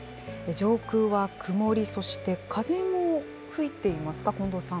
上空は曇り、そして風も吹いていますか、近藤さん。